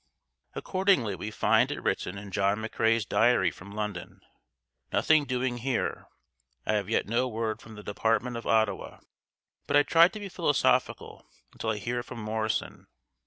Accordingly we find it written in John McCrae's diary from London: "Nothing doing here. I have yet no word from the Department at Ottawa, but I try to be philosophical until I hear from Morrison.